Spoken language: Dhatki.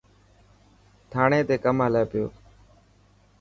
ٿانڙي تي ڪم هلي پيو.